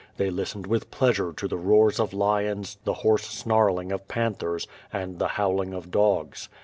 They listened with pleasure to the roars of lions, the hoarse snarling of panthers, and the howling of dogs.